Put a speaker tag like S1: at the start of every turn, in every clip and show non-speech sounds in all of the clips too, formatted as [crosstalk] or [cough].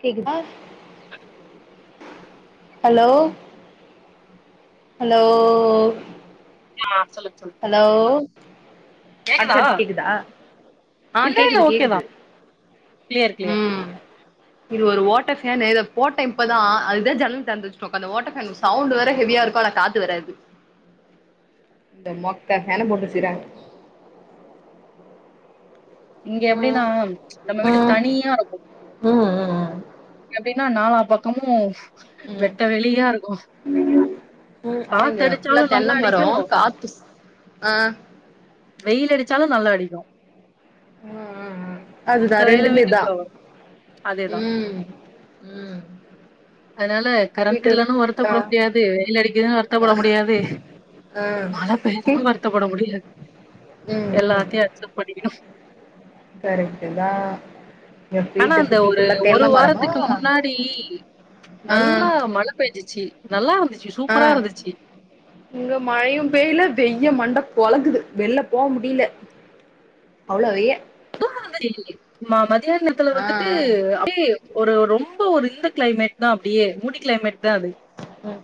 S1: கேக்குதா ஆ hello hello
S2: ஆ சொல்லுங்க சொல்லுங்க
S1: ஹலோ அடிச்சடிச்சு கேக்குதா ஆ
S2: இல்ல இல்ல
S1: கேக்குது
S2: ஓகேதா
S1: கேக்குது
S2: கிளியர் கிளியர்
S1: ம் இது ஒரு ஓட்ட ஃபேனு இதப் போட்ட இப்பதா அதுதா ஜன்னல் தெறந்துவச்சுட்டு ஒக்காந்த ஓட்ட ஃபேன் சவுண்டு வேற ஹெவியாருக்கா லா காத்து வராது இந்த மொக்க ஃபேன போட்டுவச்சிகிறாங்க
S2: இங்க எப்டினா
S1: ம்
S2: நம்ம வீடு
S1: ம்
S2: தனியாருக்கு
S1: ம் ம்
S2: எப்டின் னா நாலா பக்கமு வெட்ட வெளியாருக்கு
S1: உம் ஆனா இங்க ஃபுல்லா தென்ன மரோ காத்துஸ் அ
S2: வெயிலடிச்சாலு நல்லா அடிக்கு
S1: ம் ம் ம் ம் அதுதா
S2: மத்த வெயிலு
S1: ரெண்டுமே தா
S2: வீட்டுக்குள்ள வரு அதேதா
S1: ம் ம்
S2: அதனால
S1: வீட்டு
S2: கரண்ட்டில்லனு வருத்தப்பட
S1: ஆ
S2: முடியாது வெயிலடிக்கிது வருத்தப்பட முடியாது
S1: ஆ
S2: மழ
S1: ம்
S2: பெய்யுதுன்னு வருத்தப்பட முடியாது எல்லாத்தியு அக்சப்ட் பண்ணிகிட் னு
S1: கரைக்ட்டுதா
S2: ஆனா அந்த ஒரு ஒரு வாரத்துக்கு முன்னாடி
S1: ஆ
S2: நல்லா மழ பேஞ்சுச்சி நல்லாருந்துச்சி
S1: ஆ
S2: சூப்பராருந்துச்சி
S1: இங்க மழையும் பெய்ல வெய்ய மண்ட பொழக்குது வெள்ல போ முடில அவ்ளோ வெய்ய
S2: [unintelligible] ம மதியான நேரத்ல
S1: ஆ
S2: வந்துட்டு
S1: ஆ
S2: அப்டியே ஒரு ரொம்ப ஒரு இந்த கிளைமேட் தா அப்டியே மூடி கிளைமேட் தா அது
S1: ம்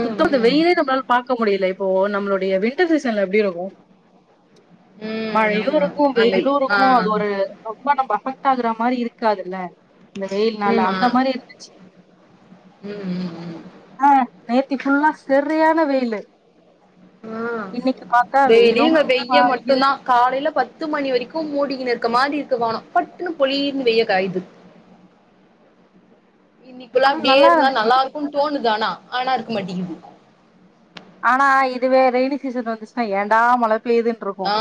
S1: ம்
S2: சுத்தமாந்த
S1: ம்
S2: வெயிலே நம்ளால பாக்க முடில போ நம்ளோடைய வின்டர் சீசன்ல எப்டிருக்கு
S1: ம் ஆமா
S2: மழையுருக்கு
S1: அந்த
S2: வெயில்
S1: ஆ
S2: ருக்கு அது ஒரு ரொம்ப நம்ம அஃபெக்ட்டாகுற மாரி இருக்காதுல இந்த வெயில் நாள
S1: ம் ஆ
S2: அந்த மாரி இருச்சி
S1: ம் ம் ம்
S2: நேத்தி ஃபுல்லா செரியான வெயிலு
S1: அ
S2: இன்னைக்கு பாத்தா
S1: டெய்லி
S2: வெயிலும்
S1: இங்க
S2: ஆ
S1: வெய்ய
S2: இது
S1: மட்டுந்தா காலைல பத்து மணி வரைக் கு மூடிகினு இருக்க மாதி இருக்கு வானோ பட்டுனு பொளிர்னு வெய்ய காயுது இன்னைக் ஃபுல்லா
S2: ஆனா
S1: அப்டியே
S2: நல்லா
S1: இருந்தா
S2: இருந்துச்சு
S1: நல்லாருக்குன் தோணுது ஆனா ஆனா இருக்க மாட்டிகிது
S2: ஆனா இதுவே ரெய்னி சீசன் வந்துச்சுன்னா ஏன்டா மழ பெய்யுதுன்ருக்கு
S1: அ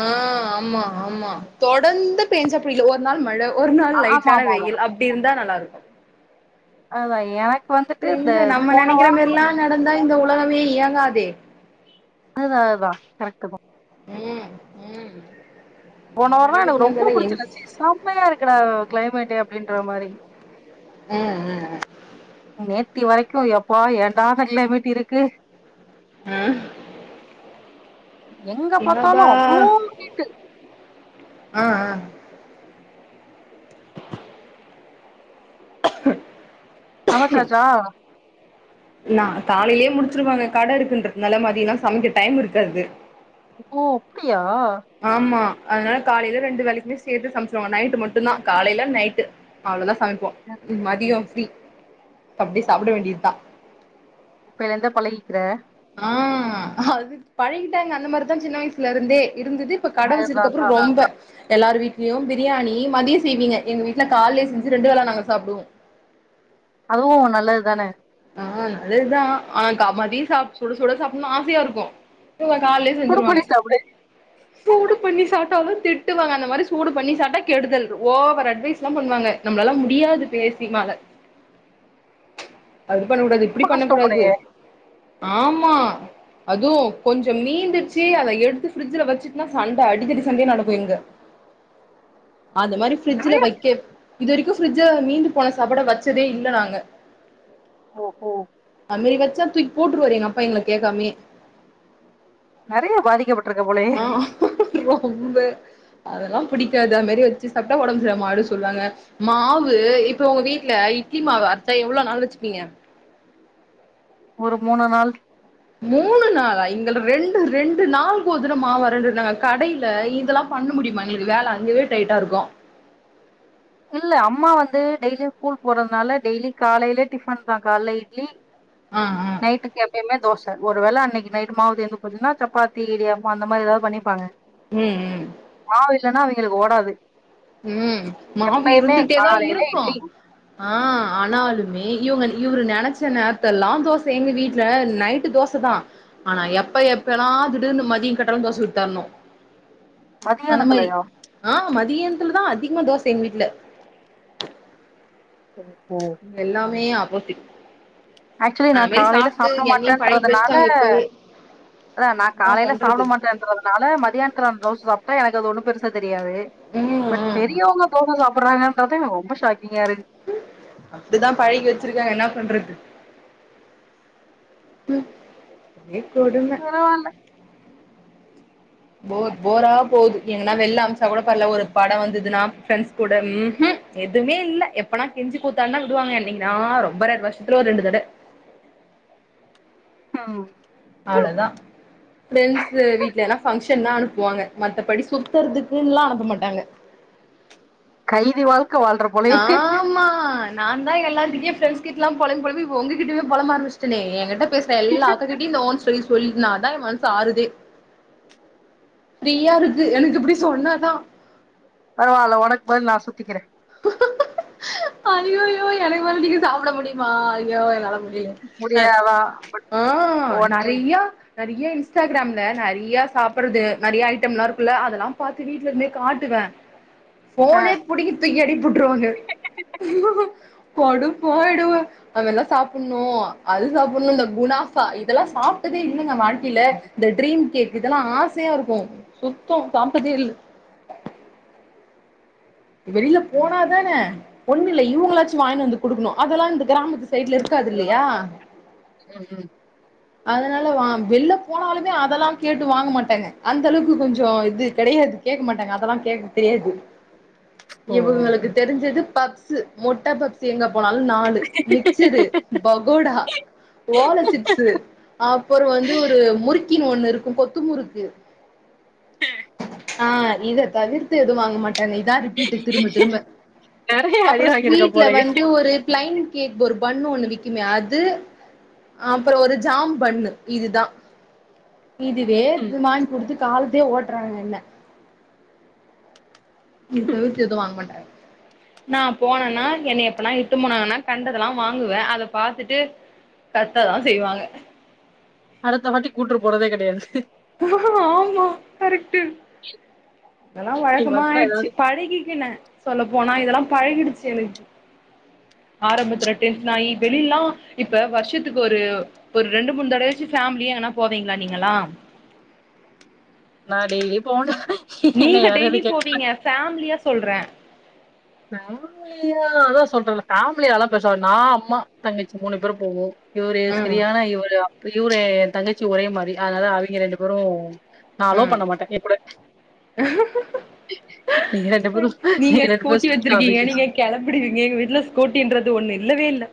S1: ஆ ஆமா ஆமா தொடர்ந்து பேஞ்சா அப்டில ஒரு நாள் மழ ஒரு நாள்
S2: ஆமா
S1: லைட்டான
S2: ஆமா
S1: வெயில் அப்டிருந்தா நல்லாருக்கு
S2: ஆமா எனக்
S1: எங்க நம்ம நெனைக்கிற மாரில்லா நடந்தா இந்த உலகமே இயங்காதே
S2: அதுதா அதுதா கரெக்ட்டு தா
S1: ம் ம் நம்ம
S2: போன வாரோலா எனக்கு
S1: நெனைக்கிறது
S2: ரொம்ப
S1: நடந்தாலா
S2: புடிச்சி
S1: எங்
S2: இருந்துச்சி செம்மையா இருக்குடா கிளைமேட்டு அப்டின்ற மாரி
S1: ம் ம் ம்
S2: நேத்தி வரைக்கு எப்பா ஏன்டா இந்த கிளைமேட் இருக்கு
S1: அ
S2: எங்க பாத்தாலு அவ்ளோ நீட்டு
S1: ஆ ஆ
S2: சமைச்சாச்சா
S1: நா காலையிலயே முடிச்சிருவேங்க கடை இருக்குன்றதுனால மதியோலா சமைக்க டைம் இருக்காது
S2: ஓ அப்டியா
S1: ஆமா அதனால காலையில ரெண்டு வேலைக்குமே சேர்த்து சமைச்சிடுவாங்க நைட்டு மட்டு தா காலையில நைட்டு அவ்ளோலா சமைப்போ மதியோ ஃப்ரீ அப்டி சாப்பிட வேண்டியது தா
S2: இப்பல இருந்தே பழகிக்கிற
S1: ம் அதுக் பழகிட்டாங்க அந்த மாரிதா சின்ன வயசுல இருந்தே இருந்தது இப்ப கடை
S2: அதுதா
S1: வெச்சிதுக்கப்றோ
S2: அதா
S1: ரொம்ப எல்லார் வீட்லயு பிரியாணி மதியோ செய்வீங்க எங்க வீட்டுல கால்லையே செஞ்சி ரெண்டு வேல நாங்க சாப்புடுவோ
S2: அதுவு நல்லது தானே
S1: ஆ நல்லதுதா ஆனா க மதியோ சாப் சுட சுட சாப்புட்ணுன்னு ஆசையா இருக்கோ இவங்க கால்லையே
S2: குடு குடி
S1: செஞ்சிருவாங்க
S2: சாப்டு
S1: சூடு பண்ணி சாப்டாலு திட்டுவாங்க அந்த மாரி சூடு பண்ணி சாப்டா கெடுதல் ஓவர் அட்வைஸ்லாம் பண்ணுவாங்க நம்மலால முடியாது பேசிமால அது பண்ண கூடாது இப்டி
S2: ரொம்ப
S1: பண்ணக்க
S2: கஷ்டோ
S1: கூடாது
S2: போலயே
S1: ஆமா அதுவு கொஞ்சோ மீந்துட்சி அத எடுத்து ஃபிரிட்ஜ வச்சுட்டனா சண்ட அடிதடி சண்டையே நடக்கு இங்க அந்த மாரி ஃபிரிட்ஜ்ல
S2: நெறைய
S1: வைக்க இது வரைக்கு ஃபிரிட்ஜ மீந்து போன சாப்பாட வச்சதே இல்ல நாங்க
S2: ஓ ஓ
S1: அது மாரி வெச்சா தூக்கி போற்றுவாரு எங்க அப்பா எங்கள கேட்காமையே
S2: நெறைய பாதிக்கப்பட்டிருக்க போலயே
S1: ஒ ரொம்ப அதெல்லா புடிக்காது அது மாரி வெச்சு சாப்டா ஒடம்பு சரியில்லாம ஆயிடு சொல்லுவாங்க மாவு இப்ப உங்க வீட்டுல இட்லி மாவு அரசா எவ்ளோ நாள் வெச்சுப்பீங்க
S2: ஒரு மூணு நாள்
S1: மூணு நாளா எங்கள ரெண்டு ரெண்டு நாள்லுக் ஒருதர மாவு அரைன்டிருந்தாங்க கடையில இதெல்லா பண்ண முடியுமா எங்களுக்கு வேல அங்கவே டைட்டா இருக்கு
S2: இல்ல அம்மா வந்து டெய்லி ஸ்கூல் போறதுனால டெய்லி காலையில டிஃபன் தா காலைல இட்லி
S1: ஆ ஆ
S2: நைட்டுக்கு எப்பயுமே தோச ஒரு வேல அன்னைக்கு நைட்டு மாவு தீந்து போச்சீங்கன்னா சப்பாத்தி இடியாப்போ அந்த மாரி எதாது பண்ணிப்பாங்க
S1: ம் ம்
S2: இல்லனி அவிங்குளுக் ஓடாது
S1: ம் மாவு
S2: எப்பயுமே
S1: இருந்துட்டே தா
S2: காலையில
S1: இருக்கூ
S2: இட்லி
S1: ஆ ஆனாலுமே இவுங்க இவுரு நெனைச்ச நேரத்தல்லா தோச எங்க வீட்ல நைட்டு தோச தா ஆனா எப்ப எப்பெல்லா திடிர்னு மதிய கேட்டாலு தோச ஊத்தர்ணு அந்த மாரி
S2: மதியானத்துலயா
S1: ஆ மத் தியன்த்துலதா அதிகமா தோச எங்க வீட்ல
S2: ம் ம்
S1: மே ஆப்போசிட்
S2: ஆக்சுவலி நா
S1: அந்த மாரி
S2: காலையில
S1: சாப்ட்டு
S2: சாப்ட
S1: என்னையு பழகி
S2: மாட்டேன்றதுனால
S1: வச்சுட்டாங்க இப்பவே
S2: அதா நா
S1: என்னா
S2: காலையில சாப்ட
S1: பண்றது
S2: மாட்டேன்றதுனால மதியானத்துல அந் தோச சாப் ப எனக்கது ஒன்னு பெருசா தெரியாது
S1: ம்
S2: பட்
S1: ம்
S2: பெரியவுங்க தோச சாப்புட்றாங்கன்றதா ரொம்ப ஷாக்
S1: அப்டிதா பழகி வச்சிருக்காங்க என்ன பண்றது ம் அப்டியே
S2: பரவால்ல
S1: போர் போரா போது எங்கன்னா வெள்ல அம்ச்சா கூட பரல ஒரு படோ வந்ததுனா ஃப்ரண்ட்ஸ் கூட ம்ஹும் எதுமே இல்ல எப்பனா கெஞ்சி கூத்தாட்னா விடுவாங்க என்னிக்கினா ரொம்ப ரேர் வருஷத்துல ஒரு ரெண்டு தட
S2: ஆ
S1: அவ்ளதா ஃப்ரெண்ட்ஸு வீட்லலா ஃபங்க்ஷ் ஷன்னா அனுப்புவாங்க மத்தபடி சுத்துறதுக்குன்லா அனுப்ப மாட்டாங்க
S2: கைதி வாழ்க்க வாழ்ற போலேயே
S1: நாந்தா எல்லாருக்கிட்டயு ஃப்ரெண்ட்ஸ் கிட்லா பொலம் பொலம்பி இப்ப உங்ககிட்டயுமே பொலம்ப ஆரம்பிச்டேனே எங்கிட்ட பேசுற எல்லா அக்கா கிட்டயு இந்த ஒன்ஸ் [unintelligible] சொல்லினாதா ஏ மனசு ஆறுதே ஃப்ரீயா இருக்கு எனக்கு இப்டி சொன்னாதா
S2: பரவால்ல ஒனக் பதில் நா சுத்திக்கிறே
S1: ஐயோயோ எனக்கு பதில் நீங்க சாப்ட முடியுமா ஐயோ என்னால மு எ அ
S2: முடியாதா பட்
S1: ஆ
S2: ஒன்னே
S1: நறையா நறைய இன்ஸ்டாகிராம்ல நறைய சாப்புட்றது நறைய ஐட்டம்லா இருக்குல்ல அதெல்லா பாத்து வீட்லேந்தே காட்டுவே
S2: ஆ
S1: ஃபோனே புடிங்கி தூக்கி அடிபோட்ருவாங்க கடுப்பாயிடுவே அது மார்லா சாப்புட்ணூ அது சாப்புட்ணூ இந்த குனாஃபா இதெல்லா சா ஆப்டதே இல்லைங்க வாழ்க்கைல இந்த ட்ரீம் கேக் இதெல்லா ஆசையார்க்கூ சுத்தோ சாப்ட்டதே இல் வெளியில போனாதானே ஒன்னு இல்ல இவுங்களாச்சு வாங்கினு வந்து குடுக்கணு அதெல்லா இந்த கிராமத்து சைட்ல இருக்காது இல்லியா
S2: ம் ம்
S1: அதனால வா வெள்ல போனாலுமே அதெல்லா கேட்டு வாங்க மாட்டாங்க அந்தளவுக்கு கொஞ்சோ இது கெடையாது கேட்க மாட்டாங்க அதெல்லா கேக் தெரியாது
S2: ஓ ஓ
S1: இவுங்களுக்கு தெரிஞ்சது பப்ஸூ முட்ட பப்ஸூ எங்கப் போனாலு நாலு மிச்சரு பகோடா ஓல சிப்ஸு அப்புறோ வந்து ஒரு முறிக் கினு ஒன்னுர்க்கூ கொத்து முறுக்கு ஆ இத தவிர்த்து எது வாங்க மாட்டாங்க இதா வீட்டுக் திரும்ப திரும்ப
S2: நெறைய அடி
S1: அப்றோ
S2: வாங்கிருக்க
S1: ஸ்வீட்ல
S2: போலயே
S1: வந்து ஒரு பிளைன் கேக் ஒரு பன்னு ஒன்னு விக்குமே அது அப்புறோ ஒரு ஜாம் பன்னு இதுதா இதுவேத் வாங்க்குடுத்து காலத்தே ஓட்டுறாங்க என்ன இது தவிர்த்து எதுவு வாங்க மாட்டாங்க நா போனேனா என்னய எப்பனா இட்டு போனாங்கனா கண்டதெல்லா வாங்குவே அத பாத்துட்டு கத்ததா செய்வாங்க
S2: அடுத்த வாட்டி கூட்ரு போறதே கெடையாது
S1: ஆமா கரெக்ட்டு அதெல்லா
S2: நீ
S1: வழக்கமா
S2: வந்தா ஏதாவது
S1: ஆயிடுச்சு பழகிக்கனே சொல்ல போனா நா இதெல்லா பழகிடுச்சு எனக்கு ஆரம்பத்ல டென்ஷன் ஆகி வெலிலலா இப்ப வருஷத்துக்கு ஒரு ஒரு ரெண்டு மூணு தடயாச்சு பேமிலியா னா போவீங்களா நீங்களா
S2: நா டெய்லி போன
S1: நீங்க டெய்லி போவீங்க பேம்லியா சொல்றே
S2: பேம்லியா அதா சொல்ரன பேமிலியலா பேருசா நா அம்மா தங்கிச்சி மூணு பேரும் போவோ இவரு
S1: ம்
S2: சரியான இவர்ரு இவரு தங்கச்சி ஒரே மாறி அதனால அவிங்க ரெண்டு பேரு நான் அலோ
S1: ம்
S2: பண்ண மாட்டே எங்கூட நீங்க ரெண்டு பேரும் நீங்க ரெண்டு பேரும் ஸ்கிப்
S1: வச்சிருக்கீங்க நீங்க கிளம்பிடுவீங்க எங்க வீட்டுல ஸ்கூட்டின்ரது ஒண்ணு இல்லவே இல்ல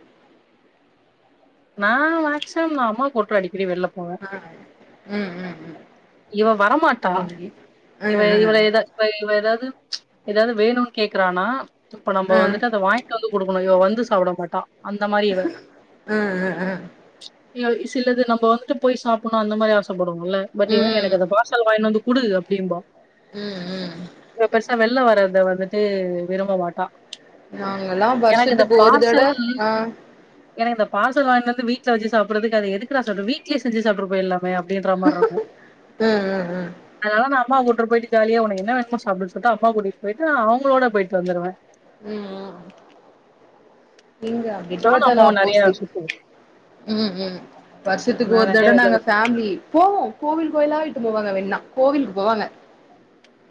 S2: ஆ வாட்சம் அம்மா போட்ரு அடி
S1: ஹ ம் ம் ம்
S2: இவ வரமாட்டா
S1: எங்கி அ
S2: இவ
S1: அ
S2: இவள எத இ எதாது எதாது வேணுனு கேக்குறானா இப்ப நம்ம
S1: அ
S2: வந்துட்டு அத வாய்ண்ட்டு வந்து கொடுக்கணு இவ வந்து சாப்பிட மாட்டா அந்த மாரி இவ
S1: ம் ம் ம்
S2: சிலது நம்ப வந்துட்டு போய் சாப்புண்ணோ அந்த மாரி ஆசப்படுவோம்ல பட் இவன் எனக்கு
S1: ம்
S2: அதை பார்சல் வாங்கினு வந்து குடூ அப்டிம்பா
S1: ம் ம்
S2: இவ பெருசா வெள்ல வர்றத வந்துட்டு விரும்ப மாட்டா
S1: நாங்கல்லா
S2: எனக்கு இந்த
S1: வருஷத்துக்கு ஒரு தட
S2: பார்சல்
S1: ஆ ம்
S2: எனக்கு இந்த பார்சல் வாங்கினு வந்து வீட் செஞ்சு சாப்படுறதுக்கு அத எதுக்குடா சொன்ன வீடலியே செஞ்சு சாப்ட்டுறு பொயில்லாம அப்படின்ற மாரி இருக்கு
S1: ம் ம் ம்
S2: அம்மாவ கூட்டிட்டு போயிட்டு ஜாலியா உனக்கு என்ன வேனுமோ சாப்டுனு சொல்லிட்டு அப்பாவ கூட்டிட்டு போயிட்டு அவங்களோட போயிட்டு வந்துருவே
S1: உம் இங்க அங்க
S2: நானு
S1: டோட்டல்
S2: அம்மாவு நெறையா
S1: ஆப்போசிட்
S2: சுத்துவோ
S1: ம் ம் வருஷத்துக்கு
S2: நா
S1: ஒரு
S2: நெறையா
S1: தடவை
S2: வெளில
S1: நாங்க பாமிலி போவோம் கோவில் கோயிலா இட்டு போவாங்க வேண்ணா கோவிலுக்கு போவாங்க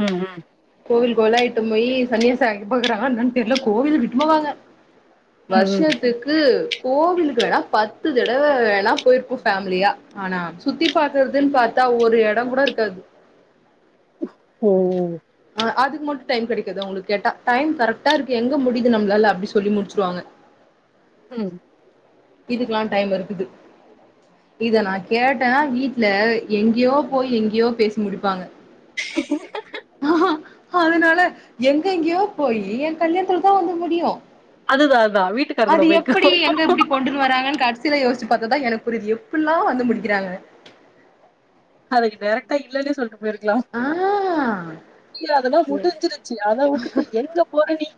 S2: ம் ம்
S1: கோவில் கோலாயிட்டு போய் சன்னியாசி ஆக்கி பாக்குறாங்களா இன்னா தெர்ல கோவிலுக்கு இட்டுனு போவாங்க
S2: ம் ம்
S1: வருஷத்துக்கு கோவிலுக்கு வேணா பத்து தடவ வேணா போயிருப்போ பேமிலியா ஆனா சுத்தி பாக்குறதுன்னு பாத்தா ஒரு எடம் கூட இருக்காது
S2: ஓ ஓ
S1: ஆ அதுக்கு மட்டு டைம் கடைக்கது அங்களுக்கு கேட்டா டைம் கரெக்டா இருக்கு எங்க முடிது நம்ளால அப்னுடி சொல்லி முடிச்சிருவாங்க [inaudible]
S2: ம்
S1: இதுக்கெல்லா டைம் இருக்குது இத நான் கேட்டேன் வீட்டுல எங்கியோ போய் எங்கியோ பேசி முடிப்பாங்க
S2: [inaudible]
S1: அதனால எங்க எங்கயோ போயி எ கல்யாணத்துல தா வந்து முடியும்
S2: அதுதா அதுதா வீட்டுக்கார் கூட
S1: அது
S2: போய்க்கோ
S1: எப்படி எங்க இப்டி கொண்டுனு வராங்கன்னு கட்சில யோசிச்சு பாத்தாதா எனக்கு புரிது எப்பில்லா வந்து முடிகிறாங்க
S2: அதுக்கு டைரெக்டா இல்லன்னே சொல்ட்டு போயிருக்கலா
S1: ஆ
S2: முடியாதுண
S1: ஏ
S2: முடிஞ்சிருச்சு அத உட்டுட்டு எங்க போற நீ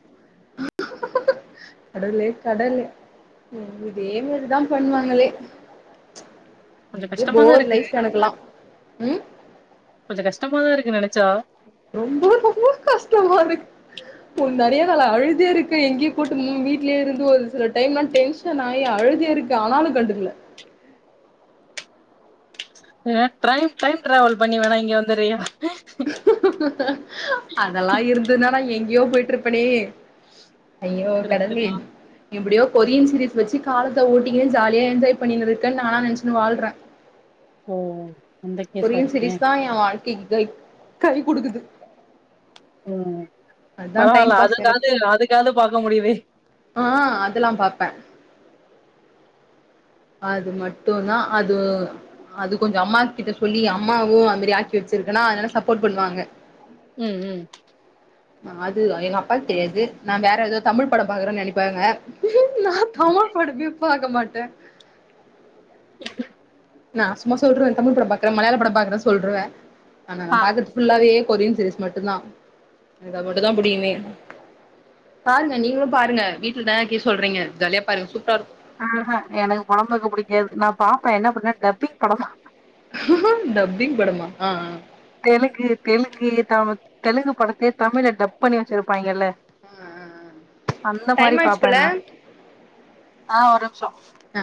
S1: கடவுளே கடவுளே ம் இதே மேரிதா பண்ணுவாங்களே
S2: கொஞ்சோ
S1: அப்டியே
S2: கஷ்டமாதா
S1: போர்
S2: இருக்கு
S1: லைப் எனக்குலாம உம்
S2: கொஞ்ச கஷ்டமாதா இருக்கு நெனச்சா
S1: ரொம்போ ரொம்போ கஷ்டமா இருக்கு நெறைய நாளா அழுதேருக்கு எங்கியோ கூட்டுனுப்போ வீட்டலய இருந்து ஒரு சில டைம்லாம் டென்ஷன் ஆயி அழு எழுதிருக்கு ஆனாலு கண்டுக்கல
S2: உம் ட்ரைம் டைம் டிராவல் பண்ணி வேணா இங்க வந்தரியா
S1: அதெல்லா இருந்ததுன்னா நா எங்கியோ போயிட்டுருப்பேனே ஐயோ கடவளே
S2: கரெக்ட்டுதா
S1: எப்டியோ கொரியன் சீரீஸ் வச்சு காலத்த ஓட்டிகின்னு ஜாலியா என்ஜாய் பண்ணினுருக்கேன்னு நா நெனச்சுன்னு வாழ்றே
S2: ஓ அந்த கேஸா
S1: கொரியன்
S2: நீங்க
S1: சீரீஸ் தா என் வாழ்க்கைக்கு கை கை குடுக்குது
S2: ம்
S1: அதா டைம்
S2: பரவால்ல
S1: பாஸ் எனக்கு
S2: அதுக்காது அதுக்காது பாக்க முடிதே
S1: ஆ அதெல்லா பாப்பே அது மட்டு தா அது அது கொஞ்சோ அம்மா கிட்ட சொல்லி அம்மாவு அதுமாரி ஆக்கி வச்சிருக்குன்னா அதனால சப்போர்ட் பண்ணுவாங்க
S2: உம் உம்
S1: ஆ அது எங்க அப்பாவுக்கு தெரியாது நா வேற ஏதோ தமிழ் படம் பாக்குறேன்னு நெனைப்பாங்க உம் நா தமிழ் படமே பாக்க மாட்டே நா சும்மா சொல்றே தமிழ் படோ பாக்றே மலையால படோ பாக்குறேனு சொல்றுவே ஆனா நா
S2: ஆ
S1: பாக்குறது ஃபுல்லாவே கொரியன் சீரிஸ் மட்டுதா எனக்கது மட்டு தா புடிகியுமே பாருங்க நீங்களு பாருங்க வீட்லதானக்கே சொல்றீங்க ஜாலியா பாருங்க சூப்ராருக்கு
S2: ஆஹா எனக்கு படம்பாக்க புடிக்காது நா பாப்பே என்ன படோ டப்பிங் படோ ப
S1: டப்பிங் படமா ஆ ஆ
S2: தெலுங்கு தெலுங்கு தவத் தெலுங்கு படத்தேயே தமிழ டப் பண்ணி வச்சிருப்பாய்ங்கல்ல
S1: ஆ ஆ.
S2: அந்த மாரி
S1: டைம் ஆச்சு
S2: பாப்பே
S1: போல
S2: நானு ஆ ஒரு நிமிஷோ
S1: ஆ